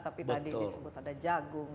tapi tadi disebut ada jagung